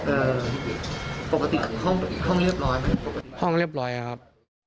เอ่อปกติห้องเรียบร้อยครับห้องเรียบร้อยครับ